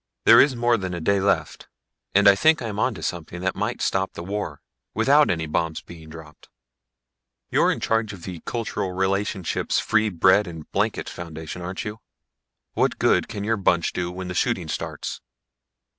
"There is more than a day left, and I think I'm onto something that might stop the war without any bombs being dropped." "You're in charge of the Cultural Relationships Free Bread and Blankets Foundation, aren't you? What good can your bunch do when the shooting starts?"